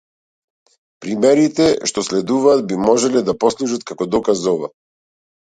Примерите што следуваат би можеле да послужат како доказ за ова.